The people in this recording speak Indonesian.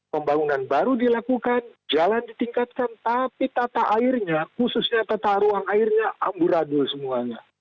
pembangunan baru dilakukan jalan ditingkatkan tapi tata airnya khususnya tata ruang airnya amburadul semuanya